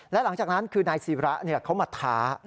และหลังจากนั้นคือนายศิระเขามาท้า